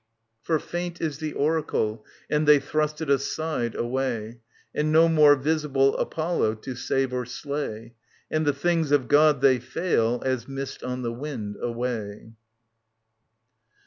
For faint is the oracle, And they thrust it aside, away ; And no more visible Apollo to save or slay ; And the things of God, they fail As mist on the wind away.